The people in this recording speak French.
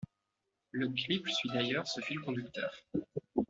Le clip suit d'ailleurs ce fil conducteur.